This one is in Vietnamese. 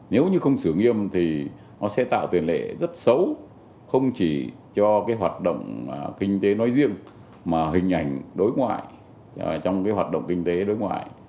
nếu như không xử nghiêm thì nó sẽ tạo tiền lệ rất xấu không chỉ cho hoạt động kinh tế nói riêng mà hình ảnh đối ngoại trong hoạt động kinh tế đối ngoại